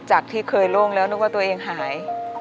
จากที่เคยโล่งแล้วนึกว่าตัวเองหาย